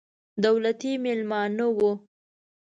دولتي مېلمانه وو.